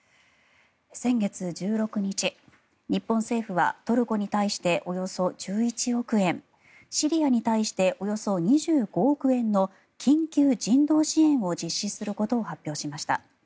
先月１６日日本政府はトルコに対しておよそ１１億円シリアに対しておよそ２５億円の緊急人道支援を実施することを発表しました。